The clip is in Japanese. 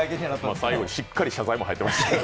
最後、しっかり謝罪も入ってました。